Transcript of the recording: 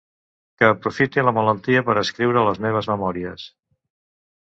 Que aprofiti la malaltia per escriure les meves memòries.